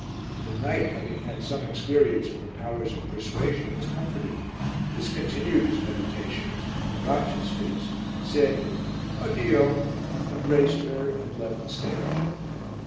The knight, having had some experience of her powers of persuasion, was comforted, discontinued his meditations, dropped his fist, said "Addio," embraced her and left the stage.